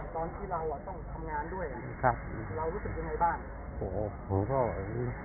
ตอนที่เราต้องทำงานด้วยเรารู้สึกยังไงบ้าง